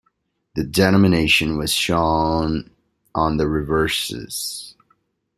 The denomination was shown on the reverses.